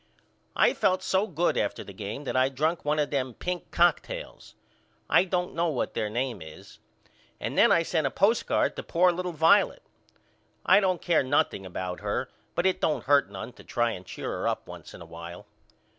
I felt so good after the game that I drunk one of them pink cocktails. I don't know what their name is. And then I sent a postcard to poor little Violet. I don't care nothing about her but it don't hurt me none to try and cheer her up once in a while.